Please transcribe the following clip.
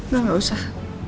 gak gak usah